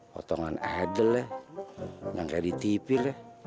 potongan edel ya yang kaya di tv lah